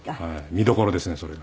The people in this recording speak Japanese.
見どころですねそれが。